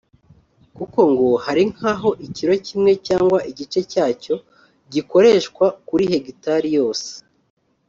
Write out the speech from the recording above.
kuko ngo hari nk’aho ikiro kimwe cyangwa igice cyacyo gikoreshwa kuri hegitari yose